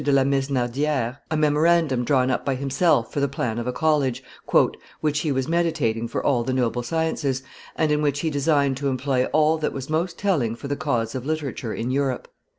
de la Mesnardiere, a memorandum drawn up by himself for the plan of a college "which he was meditating for all the noble sciences, and in which he designed to employ all that was most telling for the cause of literature in Europe.